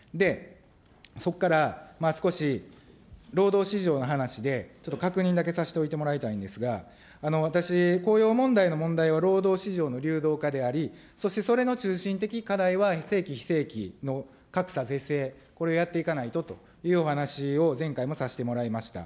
そこから少し労働市場の話で、ちょっと確認だけさせておいてもらいたいんですが、私、雇用問題の問題は労働市場の流動化であり、そしてそれの中心的課題は正規非正規の格差是正、これ、やっていかないとというお話を前回もさせてもらいました。